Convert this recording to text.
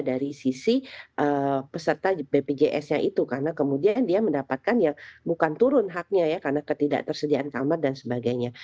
dari sisi peserta bpjs nya itu karena kemudian dia mendapatkan yang bukan turun haknya ya karena ketidaktersediaan kamar dan sebagainya